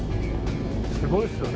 すごいですよね。